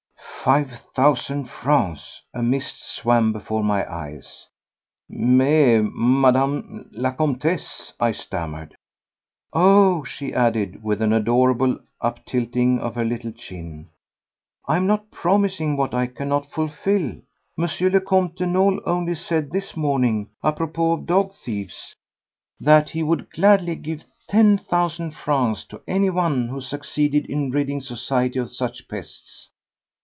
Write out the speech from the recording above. Five thousand francs! A mist swam before my eyes, "Mais, Madame la Comtesse ..." I stammered. "Oh!" she added, with an adorable uptilting of her little chin, "I am not promising what I cannot fulfil. M. le Comte de Nolé only said this morning, apropos of dog thieves, that he would gladly give ten thousand francs to anyone who succeeded in ridding society of such pests."